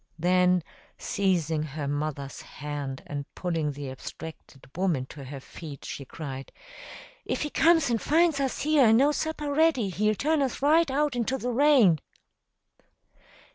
Then, seizing her mother's hand and pulling the abstracted woman to her feet, she cried, "If he comes and finds us here and no supper ready, he'll turn us right out into the rain!"